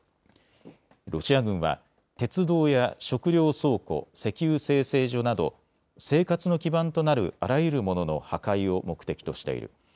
ロシア軍は鉄道や食料倉庫、石油精製所など生活の基盤となるあらゆるものの破壊を目的としている。